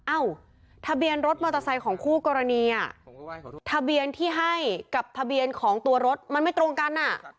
เอ้าทะเบียนรถมอเตอร์ไซค์ของคู่กรณีอ่ะทะเบียนที่ให้กับทะเบียนของตัวรถมันไม่ตรงกันอ่ะ